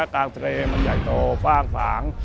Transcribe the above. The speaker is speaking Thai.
กลางทะเลมันใหญ่โตฟ่างฝาง